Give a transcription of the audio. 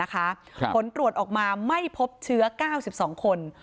ผลตรวจออกมาไม่พบเชื้อ๙๒คน